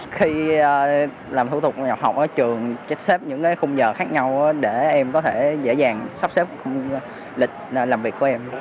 khi làm thủ tục nhập học ở trường trích xếp những khung giờ khác nhau để em có thể dễ dàng sắp xếp lịch làm việc của em